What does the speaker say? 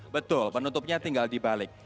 betul penutupnya tinggal dibalik